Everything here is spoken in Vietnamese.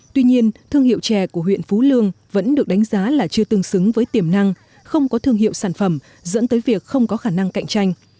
tuy nhiên thương hiệu chè của huyện phú lương vẫn được đánh giá là chưa tương xứng với tiềm năng không có thương hiệu sản phẩm dẫn tới việc không có khả năng cạnh tranh